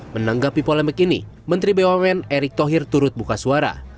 menanggapi polemik ini menteri bumn erick thohir turut buka suara